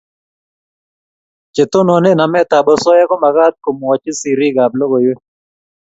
Che tonone namet ab asoya ko makat ko mwachi sirik ab logoywek